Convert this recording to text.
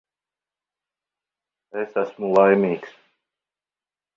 Es esmu laimīgs.